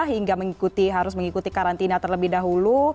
hingga harus mengikuti karantina terlebih dahulu